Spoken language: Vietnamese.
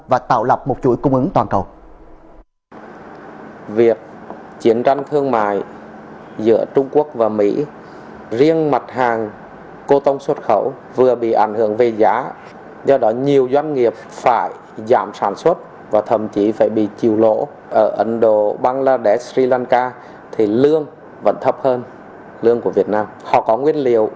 và tạo lập một chuỗi cung ứng toàn cầu